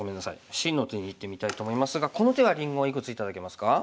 Ｃの手にいってみたいと思いますがこの手はりんごいくつ頂けますか？